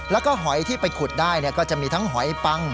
แล้วก็หอยที่ไปขุดได้ก็จะมีทั้งหอยปัง